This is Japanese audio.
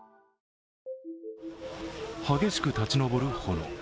激しく立ち上る炎。